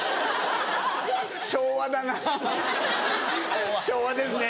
昭和だな昭和ですね。